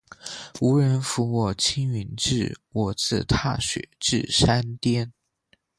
无人扶我青云志，我自踏雪至山巅。